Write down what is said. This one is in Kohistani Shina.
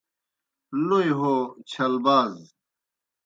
لوئی ہو چھل باز